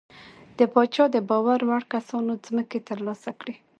د پاچا د باور وړ کسانو ځمکې ترلاسه کړې.